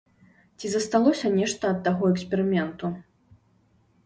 Ці засталося нешта ад таго эксперыменту?